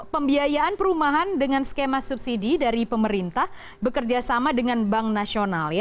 pembiayaan perumahan dengan skema subsidi dari pemerintah bekerjasama dengan bank nasional